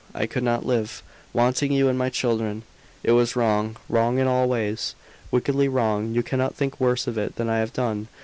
I could not live, wanting you and my children." "It was wrong; wrong in all ways." "Wickedly wrong. You cannot think worse of it than I have done.